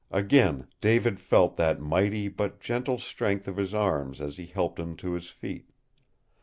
Again David felt that mighty but gentle strength of his arms as he helped him to his feet.